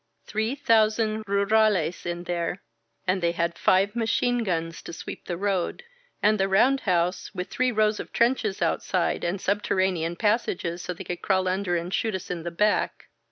Three thousand rurales in there — and they had five machine guns to sweep the road. And the roundhouse, with three rows of trenches outside and subterranean passages so they could crawl under and shoot us in the back.